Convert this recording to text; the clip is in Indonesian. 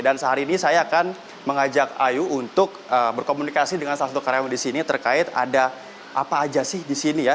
sehari ini saya akan mengajak ayu untuk berkomunikasi dengan salah satu karyawan di sini terkait ada apa aja sih di sini ya